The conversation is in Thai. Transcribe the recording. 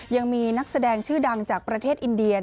ยังมีนักแสดงชื่อดังจากประเทศอินเดีย